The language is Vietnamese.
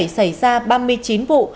xảy ra ba mươi chín vụ